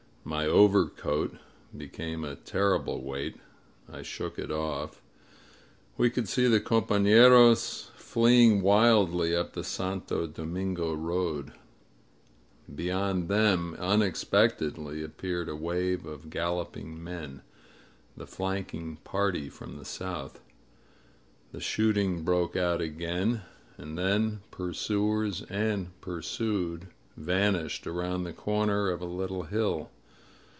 My overcoat became a terrible weight. I shook it off. We could see the compafleros fleeing wildly up the Santo Domingo road. Beyond them unex 87 INSURGENT MEXICO pecteiily appeared a wave of galloping men — the flank ing party from the south. The shooting broke out again — and then pursuers and pursued vanished aroimd the comer of a little hill.